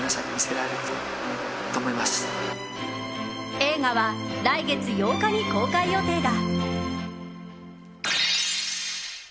映画は来月８日に公開予定だ。